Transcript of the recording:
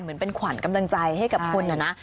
เหมือนเป็นขวัญกำลังใจให้กับคุณนะ